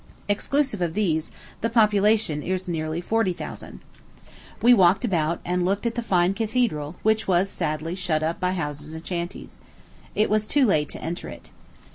Exclusive of these, the population is nearly forty thousand. We walked about, and looked at the fine Cathedral, which was sadly shut up by houses and shanties. It was too late to enter it.